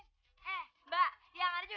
eh mbak yang mana juga gara gara lu